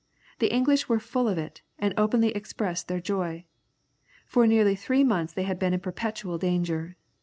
The English were full of it, and openly expressed their joy. For nearly three months they had been in perpetual danger.